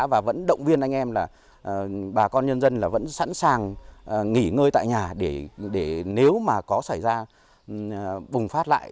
và vẫn động viên anh em là bà con nhân dân là vẫn sẵn sàng nghỉ ngơi tại nhà để nếu mà có xảy ra bùng phát lại